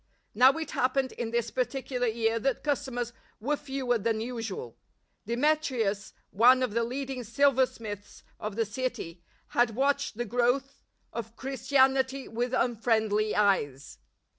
Now it happened in this particular year that customers were fewer than usual. Deme trius, one of the leading silversmiths of the 86 LIFE OF ST. PAUL city, had watched the growth of Christianity with unfriendly eyes.